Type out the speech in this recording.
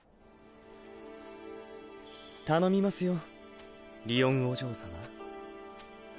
頼みますよりおんお嬢様。